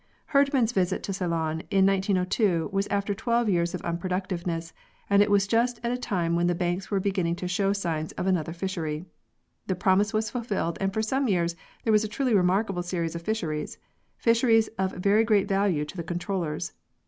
Herdman's visit to Ceylon in 1902 was after twelve years of unproductiveness, and it was just at a time when the banks were beginning to show signs of another fishery. The promise was fulfilled and for some years there was a truly remarkable series of fisheries fisheries of very great value to the controllers.